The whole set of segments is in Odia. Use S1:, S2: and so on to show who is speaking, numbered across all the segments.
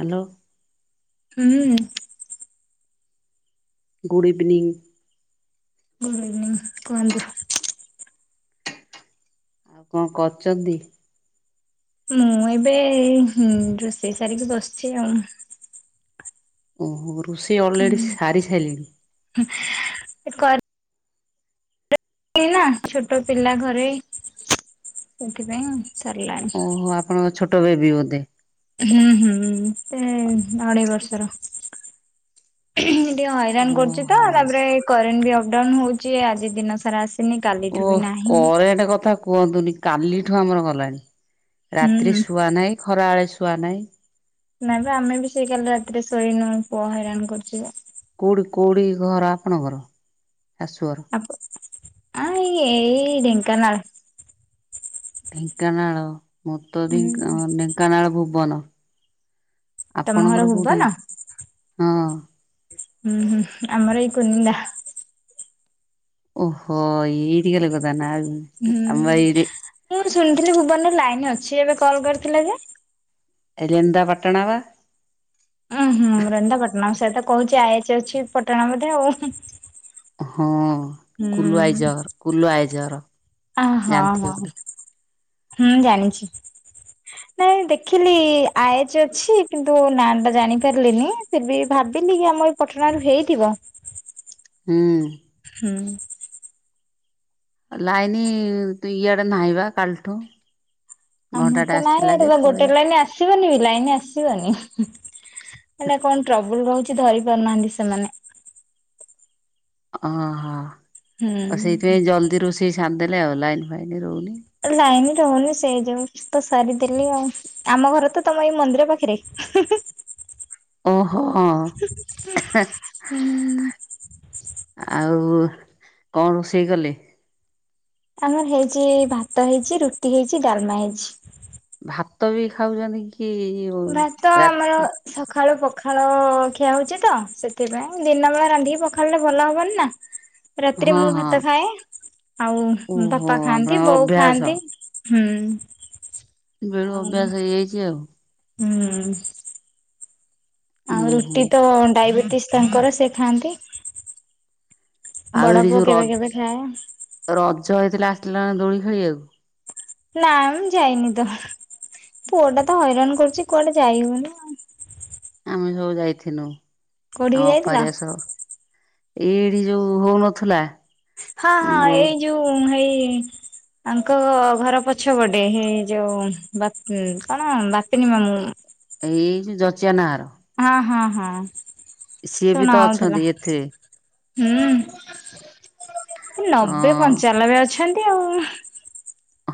S1: ହାଲୋ।
S2: ହୁଁ ହୁଁ
S1: ଗୁଡ଼ ଇଭିନିଂ।
S2: ହୁଁ କୁହନ୍ତୁ।
S1: ଆଉ କଣ କରୁଛନ୍ତିି?
S2: ମୁଁ ଏବେ ହୁଁ ରୋଷେଇ ସାରିକି ବସିଛି ଆଉ।
S1: ଓହୋ ରୋଷେଇ ଅଲରେଡି ସାରି ସାରିଲେଣି।
S2: କର ନା ଛୋଟ ପିଲା ଘରେ ସେଥିପାଇଁ ଆଉ। ସାରିଲାଣି।
S1: ତ ବେବି ଗୋତେ
S2: ହୁଁ ହୁଁ ସେ ଅଢେଇ ବର୍ଷର ଟିକେ ହଇରାଣ କରୁଛି ତ
S1: ଓହୋ।
S2: ତାପରେ କରେଣ୍ଟ ବି ଅପଡାଉନ ହଉଛି ଆଜି ଦିନ ସାରା ଆସି
S1: ଓହ କରେଟେ କଥା କୁହନ୍ତୁନି କାଲିଠୁ ଆମର ଗଲାଣି ରାତିରେ
S2: ହୁଁ
S1: ଶୁଆ ନାହିଁ ଖରା ବଳେ ଶୁଆ ନାହିଁ।
S2: ନାଇଁ ବା ଆମେ ବି ସେଇ କାଲି ରାତିରେ ଶୋଇନୁ ପୁଅ ହଇରାଣ କରୁଛୁ ଯେ
S1: କୋଉଠି କୋଉଠି ଘର ଆପଣଙ୍କର ଶାଶୁଘର?
S2: ଆଇ ଏଇ ଢେଙ୍କନାଳ।
S1: ଢେଙ୍କାନାଳ ମୁଁ ତ ଢେଙ୍କ
S2: ହୁଁ
S1: ଢେଙ୍କାନାଳ ଭୁବନ।
S2: ତମ ଘର
S1: ଆପଣଙ୍କର କୋଉଠି?
S2: ଭୁବନ?
S1: ହଁ
S2: ହୁଁ ହୁଁ ଆମର ଏଇ କୁନିନ୍ଦା।
S1: ଓହୋ ଏଇଠି କାଲେ କଥା ନା
S2: ହୁଁ
S1: ଆମ ଏଇଯେ
S2: ମୁଁ ଶୁଣିଥିଲି ଭୁବନରେ ଲାଇନ ଅଛି ଏବେ କଲ୍ କରିଥିଲା ଯେ।
S1: ଏ ରେନ୍ଦା ପାଟଣା ବା?
S2: ଉଁ ହୁଁଁ ରେଣନ୍ଦା ପାଟଣା ସେଇଆ ତ କହୁଛି ଆଏଚ ଅଛି ପଟଣା ବୋଧେ ଆଉ।
S1: ହଁ କୁଲୁଆଇ
S2: ହୁଁ
S1: ଜର କୁଲୁଆଇ ଜର।
S2: ଆ ହଁ ହଁ ହୁଁ ଜାଣିଚି। ନାଇଁ ଦେଖିଲି ଆୟଜ୍ ଅଛି କିନ୍ତୁ ନା ଟା ଜାଣିପାରିଲିନି ଫିର ବି ଭାବ ବିଲ କି ଆମ ଏଇ ପଟଣାରୁ ହେଇଥିବ।
S1: ହୁଁ।
S2: ହୁଁ।
S1: ଲାଇନି ତୁ ଇଆଡେ ନାହିଁବା କାଲିଠୁ।
S2: ଆମର
S1: ଘଣ୍ଟାଟେ
S2: ତ ନାଇଁ
S1: ଆସିଥିଲା
S2: ଏଠି
S1: ଯେ
S2: ତ ଗୋଟେ
S1: ପଳେଇ
S2: ଲାଇନ ଆସିବନି ବି ଲାଇନ ଆସିବନି। ହେନେ କଣ ଟ୍ରବୁଲ ରହୁଚି ଧରି ପାରୁନାହାଁନ୍ତି ସେମାନେ।
S1: ଅହୋ ହ ଆଉ ସେଇଥି
S2: ହୁଁ।
S1: ପାଇଁ ଜଲଦି ରୋଷେଇ ସାରିଦେଲେ ଆଉ ଲାଇନ ଫାଇନ ରହୁନି।
S2: ଲାଇନ ରହୁନି ସେ ଯୋଉ ତ ସାରିଦେଲି ଆଉ। ଆମ ଘର ତ ତମ ଏଇ ମନ୍ଦିର ପାଖରେ।
S1: ଓହୋ ଆଉ
S2: ହୁଁ।
S1: ଆଉ କଣ ରୋଷେଇ କଲେ?
S2: ଆମର ହେଇଚି ଭାତ ହେଇଚି, ରୁଟି ହେଇଚି, ଡାଲମା ହେଇଚି।
S1: ଭାତ ବି ଖାଉଚନ୍ତି କି?
S2: ଭାତ ଆମର
S1: ରାତି
S2: ସଖାଳୁ ପକ ପଖାଳ ଖିଆ ହଉଚି ତ ସେଥିପାଇଁ ଦିନ ବେଳେ ରାନ୍ଧିକି ପଖାଳିଲେ ଭଲ ହବନି ନା। ରାତିରେ
S1: ହଁ
S2: ମୁଁ
S1: ହଁ
S2: ଭାତ ଖାଏ। ଆଉ
S1: ଓହୋ
S2: ବାପା ଖାଆନ୍ତି,
S1: ଆପଣଙ୍କ
S2: ବୋଉ
S1: ଅଭ୍ୟାସ
S2: ଖାଆନ୍ତି। ହୁଁ।
S1: ବେଳୁ
S2: ଆଉ
S1: ଅଭ୍ୟାସ ହେଇଯାଇଚି ଆଉ।
S2: ହୁଁ। ଆଉ
S1: ଉୁଁ ହୁଁ
S2: ରୁଟି ତ ଡାଇବେଟିସ ତାଙ୍କର ସେ ଖାଆନ୍ତି। ବଡ
S1: ଆଉ ଏଇଠି
S2: ପୁଅ
S1: ଯୋଉ
S2: କେବେ
S1: ରଜ୍
S2: କେବେ ଖାଏ।
S1: ରଜ ହେଇଥିଲା ଆସିଥିଲ ନା ଦୋଳି ଖେଳିଆକୁ?
S2: ନା ମୁଁ ଯାଇନି ତ। ପୁଅଟା ତ ହଇରାଣ କରୁଚି କୁଆଡେ ଯାଇ ହଉନି ଆଉ।
S1: ହୁଁ ସବୁ ଯାଇଥିନୁ
S2: କୋଉଠିକି
S1: ଆମ ଅପା
S2: ଯାଇଥିଲ?
S1: ହେରିକା ସବ। ଏଇଠି ଯୋଉ ହଉନଥିଲା।
S2: ହଁ ହଁ
S1: ମୋ
S2: ଏଇ ଯୋଉ ଏଇ ତାଙ୍କ ଘର ପଛ ପଟେ ହେଇ ଯୋଉ ବାତ୍ ଉଁ କଣ ବାତେନୀ ମାମୁଁ।
S1: ଏଇ ଯୋଉ ଜଚିଆ ନାଁ ଘର?
S2: ହଁ ହଁ ହଁ।
S1: ସିଏ ବି
S2: ଶୁଣା
S1: ତ
S2: ହଉଥିଲା
S1: ଅଛନ୍ତି ଏଥିଏ।
S2: ହୁଁ ନବେ
S1: ହଁ
S2: ପଞ୍ଚାଲବେ ଅଛନ୍ ନ୍ତି ଆଉ।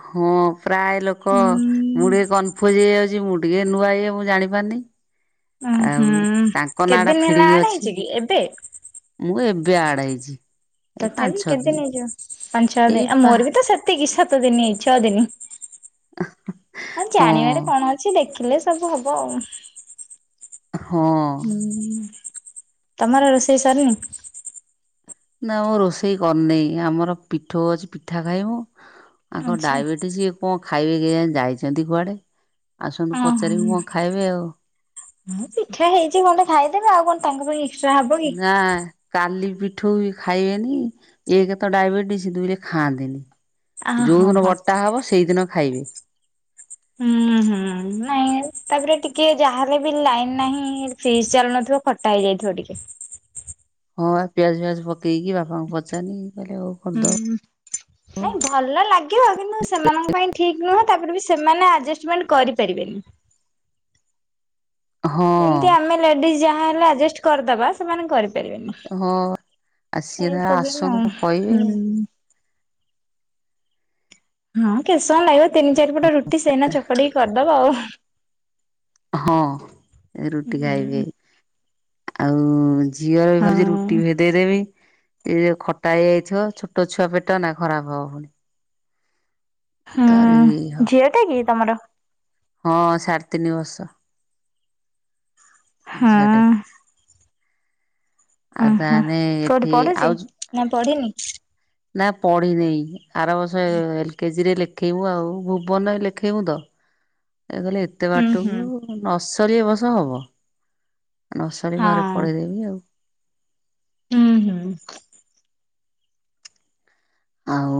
S1: ହଁ ପ୍ରାୟ ଲୋକ
S2: ହୁଁ
S1: ମୁଁ ଟିକେ କନଫୁଜ ହେଇଯାଉଚି। ମୁଁ ଟିକେ ନୂଆ ଇଏ ମୁଁ ଜାଣି ପାରୁନି।
S2: ଅ
S1: ଆଉ
S2: ହୁଁ
S1: ତାଙ୍କ ନାଁ
S2: କେତେ
S1: ଟା
S2: ଦିନ ହେଲା
S1: ଫିଡିଙ୍ଗ
S2: ଆଡ
S1: ଅଛି।
S2: ହେଇଛି କି ଏବେ
S1: ମୁଁ ଏବ୍ ବେ ଆଡ ହେଇଚି।
S2: ତଥାପି କେତ ଦିନ ହେଇ ଯିବ। ପାଞ୍ଚ ଛଅ ଦିନ
S1: ଏଇ
S2: ଆ
S1: ପା
S2: ମୋର ବି ତ ସେତିକି ସେତ୍ ସାତ ଦିନ ଏଇ ଛଅ ଦିନ ଆରେ
S1: ହଁ
S2: ଜାଣିବାରେ କଣ ଅଛି। ଦେଖ୍ ଲେ ସବୁ ହବ ଆଉ।
S1: ହଁ
S2: ତମର ରୋଷେଇ ସାରନି?
S1: ନା ମୁଁ ରୋଷେଇ କରିନି ଆମର ପିଠୋଉ ଅଛି ପିଠା ଖାଇବୁ। ଆଙ୍କ
S2: ଆଚ୍ଛା
S1: ଡାଇବେଟିସ୍ ଇଏ କଣ ଖାଇବେ କେଜାନି ଯାଇଚନ୍ତି କୁଆଡ଼େ?
S2: ଓଃହୁଁ ହଁ ପିଠା ହେଇଚି ଖଣ୍ଡେ ଖାଇଦେବେ। ଆଉ କଣ ତାଙ୍କ ପାଇଁ ଏକ୍ସଟ୍ରା ହବ କି
S1: ନା କାଲି ପି ଠୁଉ ବି ଖାଇବେନି ଏକେରେ ତ ଡାଇବେଟିସ୍ ଦୁଇ ରେ
S2: ଆ
S1: ଖାଆନ୍ତିନି। ଯୋଉ
S2: ହଁ
S1: ଦିନ
S2: ହଁ
S1: ବଟା ହବ ସେଇଦିନ ଖାଇବେ।
S2: ହୁଁ ହୁଁ ନାଇଁ। ତାପରେ ଟିକେ ଯାହଲେ ବି ଲାଇନ ନାହିଁ ଫ୍ରିଜ ଚାଲୁନଥିବ ଖଟା ହେଇଯାଇଥିବ ଟିକେ
S1: ହଁ ପିଆଜ ଫିଆଜ ପକେଇକି ବାପାଙ୍କୁ ପଚାନି
S2: ହୁଁ ନାଇଁ ଭଲ ଲାଗିବ କିନ୍ତୁ ସେମାନଙ୍କ ପାଇଁ ଠିକ ନୁହନ୍ତି ତାପରେ ବି ସେମାନେ ଆଡଜମେଣ୍ଟ କରିପାରିବେନି ଯେମିତି
S1: ହଁ
S2: ଆମେ ଲେଡିଜ ଯାହା ହେଲେ ଆଡଜଷ୍ଟ କରିଦବା ସେମାନେ କର
S1: ହଁ ଆ ସିଏ
S2: ଏଇ
S1: ତାର
S2: ପ୍ରବ୍ଲେ
S1: ଆସନ୍ତୁ କଣ କହିବେ
S2: ହଁ ହଁ କେେଶ କଣ ଲାଗିବ ତିନି ଚାରିପଟ ରୁଟି ସେନା ଚପଡିକି କରିଦବ ଆଉ
S1: ହଁ ରୁଟି
S2: ହୁଁ
S1: ଖାଇବି ଆଉ ଝିଅର ବି
S2: ହଁ
S1: ଭାବଛି ରୁଟି ଭେ ଦେଇେଇଦେବି ଏଇ ଖଟା ହେଇଯାଇଥିବ ଛୋଟ ଛୁଆ ପେଟ ନା ଖରାପ ହବ ଭଉଣି
S2: ହୁଁ ଝିଅ ଟା କି ତମର
S1: ହଁ ସାଢ଼େ ତିନି ବର୍ଷ ଝିଅଟେ
S2: ହଁ
S1: ଆଉ
S2: ଓହୋ
S1: ତାହାନଲେ
S2: କୋଉଠି
S1: ଏଠି
S2: ପଢୁଛି
S1: ଆଉ
S2: ନା ପଢିନି
S1: ନା ପଢିନହିଁ ଆର ବସ ରେ ଲେଖେଇବୁ ଆଉ ଭୁବନ ଲେଖେଇବୁ ତ ଏ କହିଲଲେ ଏତେ
S2: ହୁଁ ହୁଁ
S1: ବାଟକୁ ନସର ଏ ବସ ହବ ନସାଳୀ ଘରେ
S2: ହଁ
S1: ପଳେଇଦେବି ଆଉ
S2: ହୁଁ ହୁଁ
S1: ଆଉ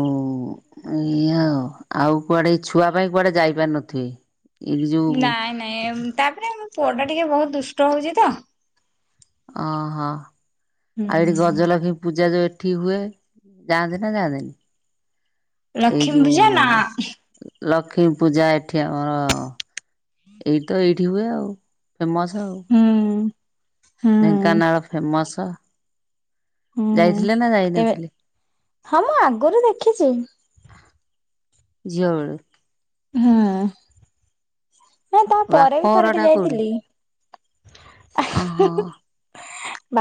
S1: ଏଇ ଆଉ ଆଉ କୁଆଡେଇ ଛୁଆ ପାଇଁ କୁଆଡେ ଯାଇପାର ନଥିବେ
S2: ନାଇଁ ନାଇଁ ତାପରେ ଆମ ପୁଅ ଟା ଟିକେ ବହୁତ ଦୁଷ୍ଟ ହଉଛି ତ
S1: ଓହୋ ଆଉ ଏଇଠି
S2: ହୁଁ
S1: ଗଜଲକ୍ଷ୍ମୀ ପୂଜା ଯୋଉ ଏଠି ଏଠି ହୁଏ ଯାଆନ୍ତିେ ନା ଯାଆନ୍ତିନି ଏଇ
S2: ଲକ୍ଷ୍ମୀ ପୂଜା ନା।
S1: ଯୋଉ ଲକ୍ଷ୍ମୀ ପୂଜା ଏଠି ଆମର ଏଇ ତ ଏଇଠି ହୁଏ ଆଉ ଫେମସ ଆଉ
S2: ହୁଁ ହୁଁ
S1: ଢେଙ୍କାନାଳ ଫେମସ
S2: ହୁଁ
S1: ଯାଇଥିଲେ ନା
S2: କେବେ
S1: ଯାଇନଥିଲେ
S2: ହଁ ମୁଁ ଆଗରୁ ଦେଖିଛି
S1: ଝଳ
S2: ହଁ ନା ତାପରେ ବି
S1: ବାପଘର
S2: ଥର ଟେ
S1: ଟା କୋଉଠି?
S2: ଯାଇଥିଲି
S1: ଓହୋ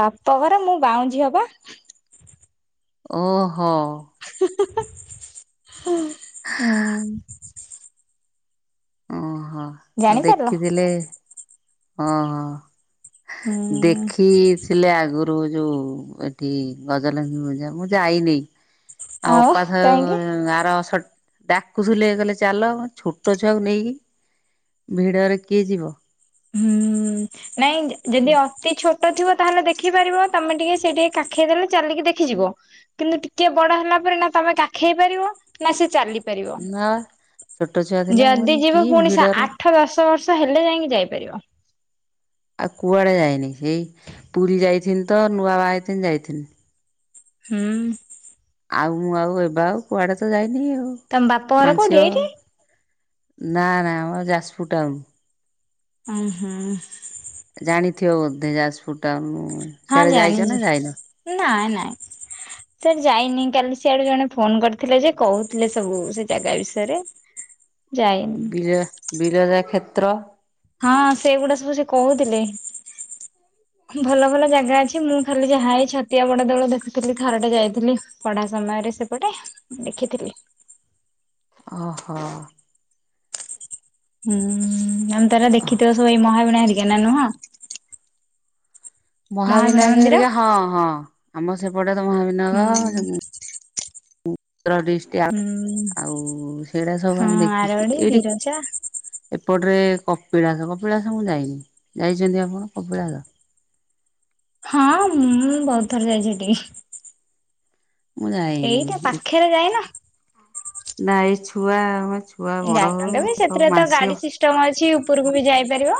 S2: ବାପଘର ମୁଁ ବାଉଁଜିୀ ହବା
S1: ଓହୋ
S2: ହଁ
S1: ଓହୋ ଆଉ
S2: ଜାଣିପାରିଲ
S1: ଦେଖିଥିଲେ ହ ହଁ
S2: ହୁଁ
S1: ଦେଖିଥିଲେ ଆଗରୁ ଯୋଉ ଏଠି ଗଜଲକ୍ଷ୍ମୀ ପୂଜା ମୁଁ ଯାଇନି ଆଉ ଅପାଧ ଆର ଡାକୁ ଲ କଲେ ଚାଲ ଛୋଟ ପଛଆକୁ ନେଇକି ଭିଡରେ କିଏ ଯିବ
S2: ହୁଁ ନାଇଁ ଯଦି ଅତି ଛୋଟ ଟ ଥିବ ତାହେଲେ ଦେଖିପାରିବ ତମେ ଟିକେ ସେ ଟିକେ କାଖେଇ ଦେଲେ ଚାଲିକି ଦେଖିଯିବ କିନ୍ତୁ ଟିକେ ବଡ ହେଲା ନା ତମେ କାଖଇ ପାରିବ ନା ସେ ଚାଲି
S1: ନା ଛୋଟ ଛୁଆ ଥିଲା ମୁଁ
S2: ଯଦି
S1: କହିଲି
S2: ଯିବ
S1: କି
S2: ପୁଣି
S1: ଭିଡରେ
S2: ଆଠ ଦଶ ବର୍ଷ ହେଲେ ଯାଇକି ଯାଇ
S1: ଆଉ କୁଆଡେ ଯାଇନି ସେଇ ପୁରୀ ଯାଇଥିନି ତ ନୂଆ ବାହା ଯାଇଥିନି
S2: ହଁ
S1: ଆଉ ମୁଁ ଆଉ ଏବେ ଆଉ କୁଆଡେ ତ ଯାଇନି ଆଉ
S2: ତମ ବାପ ଘର କୋଉଠି
S1: ମାଂସଅ ଆଉ
S2: ଏଇଠି
S1: ନା ନା ଆମର ଯାଜପୁଟା ଆଉ
S2: ଓ ହୋ
S1: ଥିବ ବଧେଜାଜ ଫୁଟାୁ
S2: ହଁ ଜାଣିଚି ନାଇଁ ନାଇଁ ସେ ଯାଇନି କାଲି ସିଆଡେ ଜଣେ ଫୋନ୍ କରିଥିଲେ ଯେ କହୁଥିଲେ ସବୁ ସେ ଜାଗା ବିଷୟରେ। ଯାଇନି
S1: ବିରା ବିରଜା କ୍ଷେତ୍ର।
S2: ହଁ ସେଗୁଡ଼ା ସବୁ ସେ କହୁଥିଲେ।
S1: ହୁଁ
S2: ଭଲ ଭଲ ଜାଗା ଅଛି ମୁଁ ଖାଲି ଯାହା ଏଇ ଛତିଆ ବଡ଼ ଦେଉଳ ଦେଖୁଥିଲି ଥରଟେ ଯାଇଥିଲି ପଢ଼ା ସମୟ ରେ ସେପଟେ ଦେଖିଥିଲି।
S1: ଓହୋ।
S2: ହୁଁ ଆମେ ତ ଏରା ଦେଖିଥିବ ସବୁ ଏଇ ମହାବିଣା ହେରିକା ନା ନୁହଁ? ମହାବୀଣା
S1: ମହାବିନାୟକ
S2: ମନ୍ଦିର।
S1: ହେରିକା ହଁ ହଁ ଆମ ସେପଟେ ତ
S2: ହୁଁ
S1: ମହାବିନାୟକ ଜମ୍ ର ଡିଷ୍ଟି ଆ‌
S2: ହୁଁ
S1: ଆଉ ସେଟା ସବୁ
S2: ହଁ
S1: ଆମେ ଦେଖିଛୁ
S2: ଆରଡି
S1: ଏଇଠି
S2: ବିରଜା
S1: ଏପଟରେ କପିଳାସ କପିଳାସ ମୁଁ ଯାଇନି ଯାଇଛନ୍ତି ଆପଣ କପିଳାସ?
S2: ହଁ ମୁଁ ବୋହୁତ୍ ଥର ଯାଇଛି ସେଠିକି।
S1: ମୁଁ ଯାଇନି ଦେ
S2: ଯାଇନା
S1: ନାଇଁ ଛୁଆ ଛୁଆ ବଡ଼ ହଉ
S2: ଯାଇନି ଦେବେ
S1: ସବୁ
S2: ସେଥିରେ ତ
S1: ମାନସିକ
S2: ଗାଡ଼ି ସିଷ୍ଟମ୍ ଅଛି ଉପୁରକୁ ବି ଯାଇପାରିବ।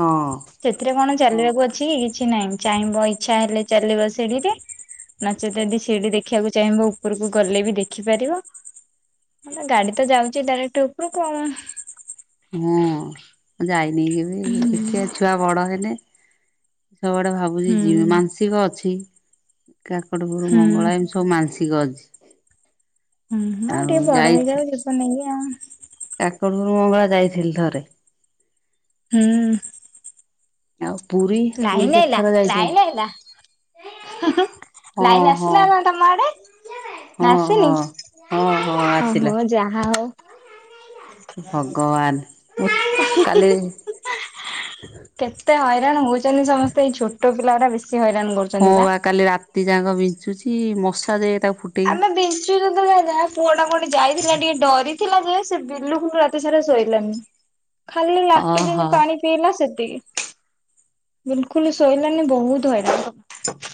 S1: ହଁ।
S2: ସେଥିରେ କଣ ଚାଲିବାକୁ ଅଛି କି କିଛି ନାହିଁ ଚାହିଁବ ଇଚ୍ଛା ହେଲେ ଚାଲିବ ସେଡ଼ିରେ। ନାଚେତ୍ ଯଦି ସିଡ଼ି ଦେଖିବାକୁ ଚାହିଁବ ଉପରକୁ ଗଲେ ବି ଦେଖିପାରିବ। ମଲା ଗାଡ଼ି ତ ଯାଉଚି ଡାଇରେକ୍ଟ୍ ଉପରକୁ ଆଉ।
S1: ହଁ ମୁଁ ଯାଇନି ବି କେବେ ଦେଖିବା ଛୁଆ ବଡ଼ ହେଲେ। ସବୁଆଡ଼େ
S2: ହୁଁ
S1: ଭାବୁଛି ଯିବି ମାନ୍ ସିକ ଅଛି। କାକଟପୁରୁ
S2: ହୁଁ।
S1: ମଙ୍ଗଳା ଏମିତି ସବୁ ମାନ୍ ସିକ ଅଛି।
S2: ଉ ହୁଁ ଆଉ ଟିକେ ବଡ଼ ହେଇଯାଉ ଯିବ ନେଇକି ଆଉ।
S1: କାକଟପୁରୁ ମଙ୍ଗଳା ଯାଇଥିଲି ଥରେ।
S2: ହୁଁ।
S1: ଆଉ? ପୁରୀ ପୁରୀ
S2: ନାଇନ୍ ଆଇଲା
S1: କେତେଥର ଯାଇଛନ୍ତି?
S2: ଲାଇନ୍ ଅଇଲା।
S1: ହଁ
S2: ଲାଇନ୍
S1: ହଁ
S2: ଆସିଲା ନା ତମ ଆଡ଼େ?
S1: ହଁ
S2: ନାସିନି
S1: ହଁ ହଁ ହଁ
S2: ଅ ହୋ ଯାହା ହଉ।
S1: ଭଗବାନ୍।
S2: କେତ୍ ତେ ହଇରାଣ ହୋଉଛନ୍ତି ସମସ୍ତେ ଏଇ ଛୋଟ ପିଲା ଉରା ବେଶି।
S1: ହଁ ବା କାଲି ରାତି ଯାକ ବିଞ୍ଚୁଚି ମଶା ଯେ ତା
S2: ଆମେ ବିଞ୍ଚୁଚୁ ଦୁଇଆ ଗାଁ ପୁଅ ଟା କ ଯାଇଥିଲା ଟିକେ ଡରିଥିଲା ଯେ ସେ ବିଲୁଖୁଲୁ ରାତି ସାରା ଶୋଇଲାନି। ଖାଲି ଲାଟୋଜିନି
S1: ଓହୋ
S2: ପାଣି ପିଇଲା ସେତିକି। ବିଲ୍ କୁଲୁ ଶୋଇଲାନି ବୋହୁତ୍ ହଇରାଣ କ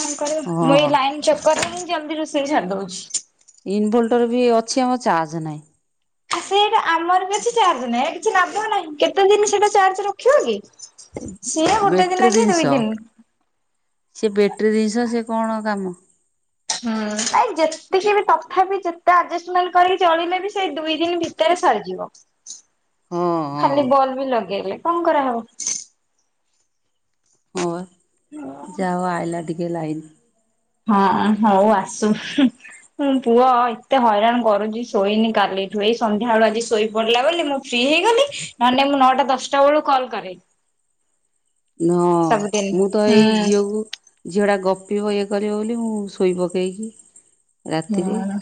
S2: କନ୍ କରିବ ମୁଁ
S1: ହଁ
S2: ଏଇ ଲାଇନ୍ ଚକର୍ ରେ ହିଁ ଜଲ୍ ଦି ରୋଷେଇ ସାରି ଦୋଉଛି।
S1: ଇନଭୋଲ୍ଟର ବି ଅଛି ଆମ ଚାର୍ଜ ନାହିଁ।
S2: ଆ ସେଇଟା ଆମର ବି ଅଛି ଚାର୍ଜ୍ ନାହିଁ କିଛି ଲାଭ ନାହିଁ କେତେ ଦିନି ସେଟା ଚାର୍ଜ୍ ରଖିବ କି। ସିଏ ଗୋଟେ ଦିନ କି ଦୁଇ ଦିନ୍।
S1: ସିଏ ବେଟ୍ରୀ ଦିସ ସିଏ କଣ କାମ।
S2: ହୁଁ ଆ ଯେତିକି ବି ତଥାପି ଯେତେ ଆଜେଷ୍ଟ୍ ମେଣ୍ଟ କରିକି ଚଳିଲେ ବି ସେଇ ଦୁଇ ଦିନ୍ ଭିତରେ ସରିଯିବ
S1: ହଁ ହଁ
S2: ଖାଲି ବଲ୍ ବି ଲଗେଇଲେ କଣ କରାହବ।
S1: ଓର୍ ଯାଉ ଆଇଲା ଟିକେ ଲାଇନ୍।
S2: ହଁ ହଉ ଆସୁ ହୁଁ ମୁଁ ପୁଅ ଏତେ ହଇରାଣ କରୁଛି ଶୋଇନି କାଲି ଇଠୁ ଏଇ ସନ୍ଧ୍ୟା ବୂଳୁ ଆଜି ଶୋଇ ପଡି଼ଲା ବୋଲି ମୁଁ ଫ୍ରି ହେଇଗଲି ନହେଲେ ମୁଁ ନଅଟା ଦଶଟା ବେଳୁ କଲ୍ କରେ।
S1: ନହଁ
S2: ସବୁଦିନ
S1: ମୁଁ ତ ଏଇ
S2: ହୁଁ।
S1: ଝିଅକୁ ଝିଅ ଟା ଗପ ପିବ ଇଏ କରିବ ବୋଲି ମୁଁ ଶୋଇ ପକେଇକି ରାତିରେ
S2: ହୁଁ।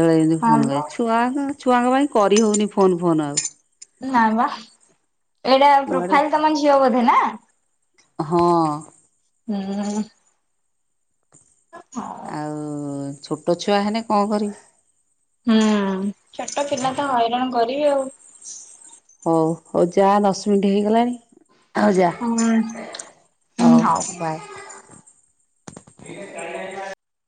S1: ଦଳେ ଯେମିତି
S2: ହଁ
S1: ଫୋନ
S2: ବା
S1: କରି ଛୁଆ ଛୁଆଙ୍କ ପାଇଁ କରି ହଉନି ଫୋନ୍ ଫାନ୍ ଆଉ।
S2: ନା ବା, ଏଇଟା
S1: କୁଆଡ଼େ
S2: ପ୍ରୋଫାଇଲ ତମ ଝିଅ ବୋଧେ ନା?
S1: ହଁ।
S2: ହୁଁ। ହଉ
S1: ଆଉ ଛୋଟ ଛୁଆ ହେଲେ କଣ କରିମ୍
S2: ହୁଁ ଛୋଟ ପିଲା ତ ହଇରାଣ କରିବେ ଆଉ।
S1: ହଉ ହଉ ଯାଆ ଦଶ ମିନିଟ ହେଇଗଲାଣି। ଆଉ ଯା
S2: ହୁଁ। ହୁଁ ହଉ।
S1: ହଉ ବାଏ। [inaudible]